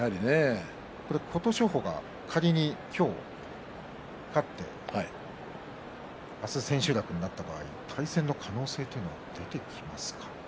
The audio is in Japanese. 琴勝峰が仮に今日、勝って明日、千秋楽になった場合対戦の可能性というのは出てきますか？